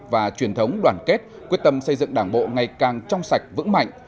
và truyền thống đoàn kết quyết tâm xây dựng đảng bộ ngày càng trong sạch vững mạnh